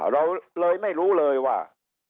เราเลยไม่รู้เลยว่า